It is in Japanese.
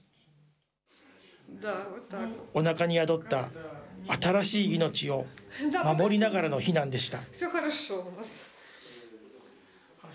おなかに宿った新しい命を守りながらの避難でした。